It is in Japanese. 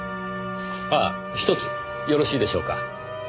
ああひとつよろしいでしょうか。